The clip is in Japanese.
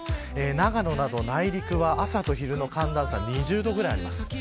長野などの内陸は朝と昼と寒暖差が２０度ぐらいあります。